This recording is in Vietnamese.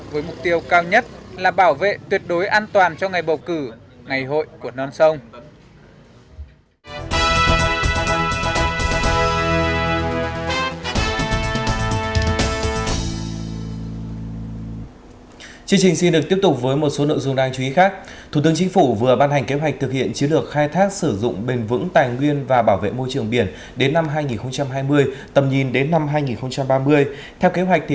với mục tiêu cao nhất là bảo vệ tuyệt đối an toàn cho ngày bầu cử ngày hội